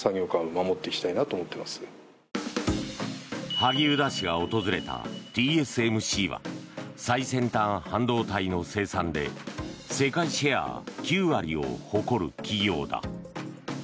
萩生田氏が訪れたＴＳＭＣは最先端半導体の生産で世界シェア９割を誇る企業だ。